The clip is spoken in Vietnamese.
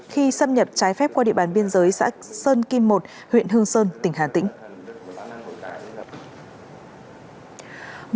khi xâm nhập trái phép qua địa bàn biên giới xã sơn kim một huyện hương sơn tỉnh hà tĩnh